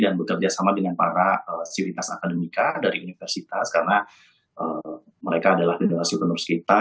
dan bekerjasama dengan para sivitas akademika dari universitas karena mereka adalah generasi penurus kita